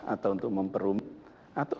atau untuk memperumit atau